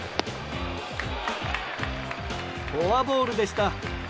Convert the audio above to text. フォアボールでした。